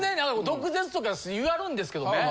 毒舌とか言われるんですけどね